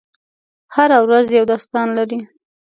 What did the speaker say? هره ورځ یو داستان لري.